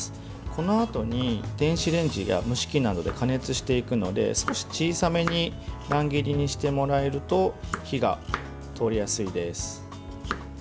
このあとに電子レンジや蒸し器などで加熱していくので、少し小さめに乱切りにしてもらえると火が通りやすいです。